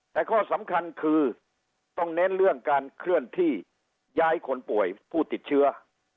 แต่ข้อสำคัญคือต้องเน้นเรื่องการเคลื่อนที่ย้ายคนป่วยผู้ติดเชื้อ